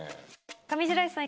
上白石さん